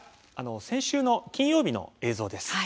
先週金曜日の映像です。